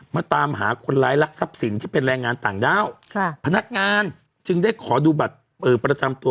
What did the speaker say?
มาตามหาคนร้ายรักทรัพย์สินที่เป็นแรงงานต่างด้าวค่ะพนักงานจึงได้ขอดูบัตรประจำตัว